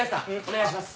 お願いします。